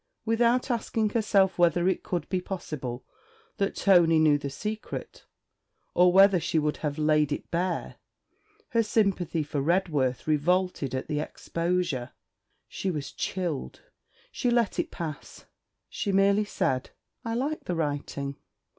Without asking herself whether it could be possible that Tony knew the secret, or whether she would have laid it bare, her sympathy for Redworth revolted at the exposure. She was chilled. She let it pass; she merely said: 'I like the writing.'